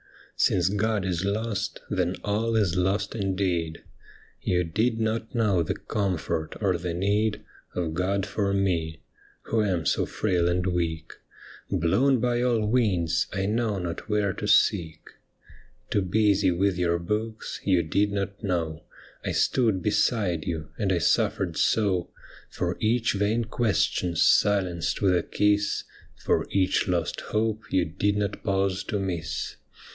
' Since God is lost, then all is lost indeed. You did not know the comfort or the need Of God for me, who am so frail and weak. Blown by all winds, I know not where to seek. 90 ' THE ME WITHIN THEE BLIND !' Too busy with your books, you did not know I stood beside you, and I suffered so. For each vain question silenced with a kiss, For each lost hope you did not pause to miss.